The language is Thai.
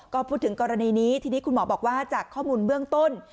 ก็พูดถึงกรณีนี้ทีนี้คุณหมอบอกว่าจากข้อมูลเบื้องต้น